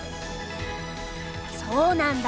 そうなんだ。